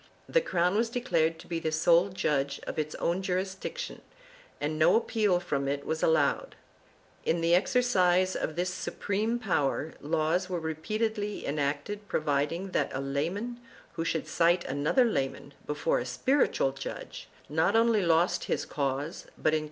The crown was declared to be the sole judge of its own jurisdiction, and no appeal from it was allowed. In the exercise of this supreme power laws were repeatedly enacted providing that a layman, who should cite another lay man before a spiritual judge, not only lost his cause but incurred a heavy fine and disability for public office.